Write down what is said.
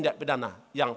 lehman sma dan anipe